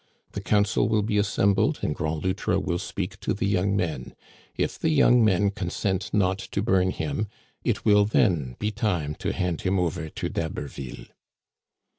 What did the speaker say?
The council will be assem bled, and Grand Loutre will speak to the young men. If the young men consent not to bum him, it will then be time to hand him over to D'Haberville."